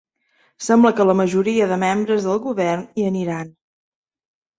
Sembla que la majoria de membres del govern hi aniran.